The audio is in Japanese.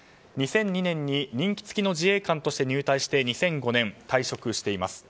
２００２年に任期付きの自衛官として入隊して２００５年、退職しています。